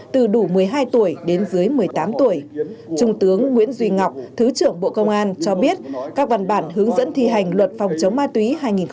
thứ trưởng bộ công an chủ trì hội nghị